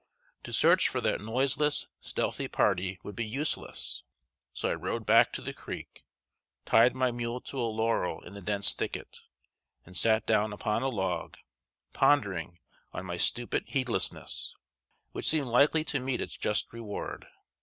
To search for that noiseless, stealthy party would be useless; so I rode back to the creek, tied my mule to a laurel in the dense thicket, and sat down upon a log, pondering on my stupid heedlessness, which seemed likely to meet its just reward.